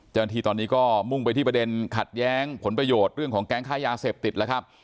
เจ้าหน้าที่ตอนนี้ก็มุ่งไปที่ประเด็นขัดแย้งผลประโยชน์เรื่องของแก๊งค้ายาเสพติดแล้วครับ